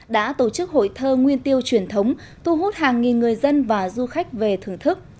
đã tổ chức hội thơ nguyên tiêu truyền thống thu hút hàng nghìn người dân và du khách về thưởng thức